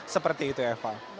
seperti itu eva